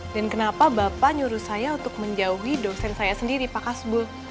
dan kenapa bapak nyuruh saya untuk menjauhi dosen saya sendiri pak hasbul